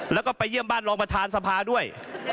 แล้วก็ไปเยี่ยมบ้านรองประธานสภาด้วย